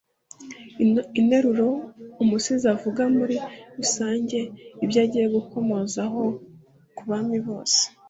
interuro, umusizi avugamo muri rusange ibyo agiye gukomozaho ku bami bose